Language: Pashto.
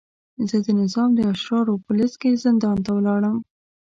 زه د نظام د اشرارو په لست کې زندان ته ولاړم.